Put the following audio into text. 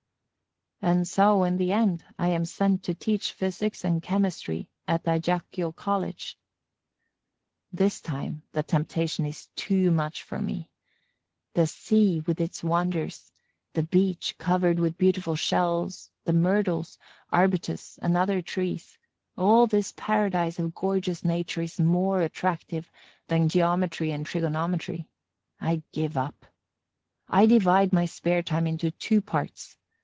And so, in the end, I am sent to teach physics and chemistry at Ajaccio College. This time, the temptation is too much for me. The sea, with its wonders, the beach, covered with beautiful shells, the myrtles, arbutus, and other trees; all this paradise of gorgeous nature is more attractive than geometry and trigonometry. I give up. I divide my spare time into two parts.